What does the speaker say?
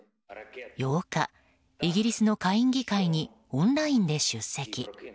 ８日、イギリスの下院議会にオンラインで出席。